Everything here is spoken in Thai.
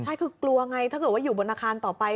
ใช่คือกลัวไงถ้าเกิดว่าอยู่บนอาคารต่อไป